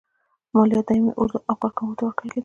مالیات دایمي اردو او کارکوونکو ته ورکول کېدل.